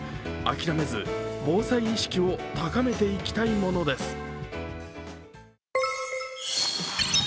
諦めず、防災意識を高めていきたいものです。